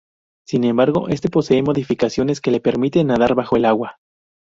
Sin embargo, este posee modificaciones que le permiten nadar bajo el agua.